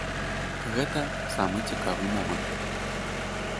Гэта самы цікавы момант.